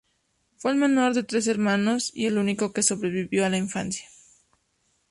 Fue el menor de tres hermanos y el único que sobrevivió a la infancia.